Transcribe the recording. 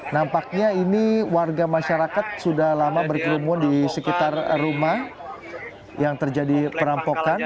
nampaknya ini warga masyarakat sudah lama berkerumun di sekitar rumah yang terjadi perampokan